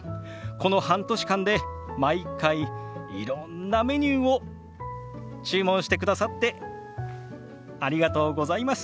この半年間で毎回いろんなメニューを注文してくださってありがとうございます。